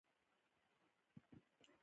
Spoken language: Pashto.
د ګازرو کښت څنګه دی؟